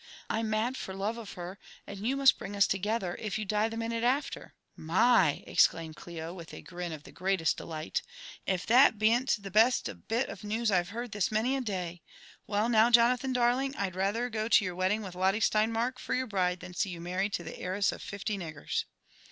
I'm mad for love of her, and you must bring us together, if you die the minute after." << Uy — I " exclaimed Clio, with a grin of the greatest delight. ^' If that bean't the best bit of news I've heard this many a day. Well, now, Jonathan darling, I'd rather go to your wedding with Lotte Stein mark for your bride, than see you married to the heiress of fifty niggers."